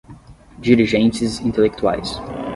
dirigentes intelectuais